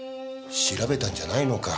調べたんじゃないのか？